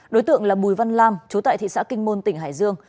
đối tượng là bùi văn lam chú tại thị xã kinh môn tỉnh hải dương